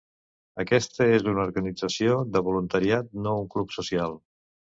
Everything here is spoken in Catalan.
Aquesta és una organització de voluntariat, no un club social.